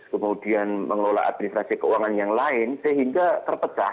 kemudian mengelola administrasi keuangan yang lain sehingga terpecah